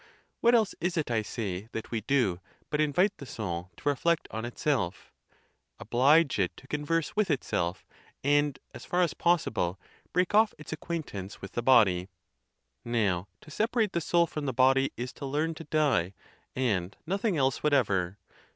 What else is it, I say, that we do, but invite the soul to reflect on itself? oblige it to converse with it self, and, as far as possible, break off its acquaintance with the body? Now, to separate the soul from the body, is to learn to die, and nothing else whatever.